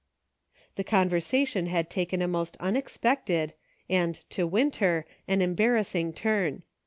The conversation had taken a most unexpected, and, to Winter, an embarrassing turn.